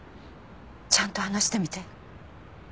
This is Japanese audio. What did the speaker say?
ちゃんと話してみて。